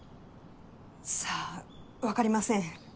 さあわかりません。